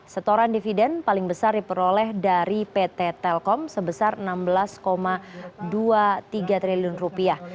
setoran dividen paling besar diperoleh dari pt telkom sebesar enam belas dua puluh tiga triliun rupiah